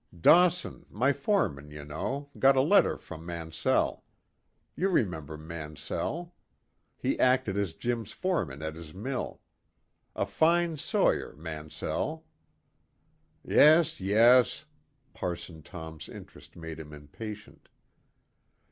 "Dawson my foreman, you know got a letter from Mansell. You remember Mansell? He acted as Jim's foreman at his mill. A fine sawyer, Mansell " "Yes, yes." Parson Tom's interest made him impatient.